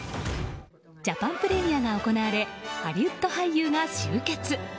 ジャパンプレミアが行われハリウッド俳優が集結。